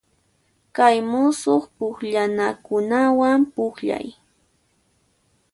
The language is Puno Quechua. Kay musuq pukllanakunawan pukllay.